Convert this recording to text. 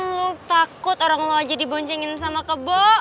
lo takut orang lo aja diboncengin sama kebo